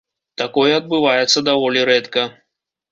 Такое адбываецца даволі рэдка.